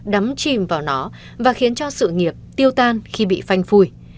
đắm chìm vào nó và khiến cho sự nghiệp tiêu tan khi bị phanh phui